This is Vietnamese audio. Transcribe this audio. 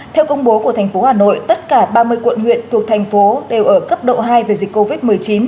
theo công bố của thành phố hà nội tất cả ba mươi quận huyện thuộc thành phố đều ở cấp độ hai về dịch covid một mươi chín